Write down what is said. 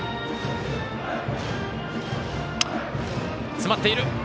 詰まっている。